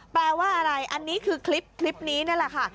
แปลว่าอะไรคลิปนี้นั่นแหละค่ะ